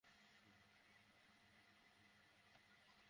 আচ্ছা, হাইটের কথা নাহয় বাদ দিলাম।